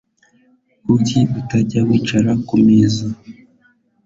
Kuki utajya wicara kumeza